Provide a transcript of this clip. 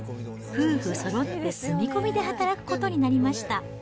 夫婦そろって住み込みで働くことになりました。